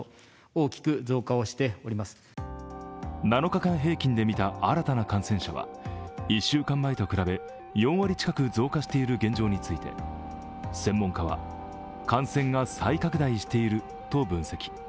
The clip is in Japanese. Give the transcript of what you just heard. ７日間平均で見た新たな感染者は１週間前と比べ４割近く増加している現状について専門家は、感染が再拡大していると分析。